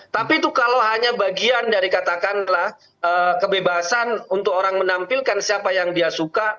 tapi itu kalau hanya bagian dari katakanlah kebebasan untuk orang menampilkan siapa yang dia suka